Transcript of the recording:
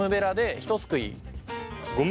ひとすくい。